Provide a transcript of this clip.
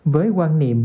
với quan niệm